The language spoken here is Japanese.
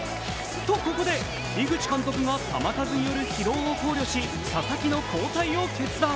と、ここで井口監督が球数による疲労を考慮し佐々木の交代を決断。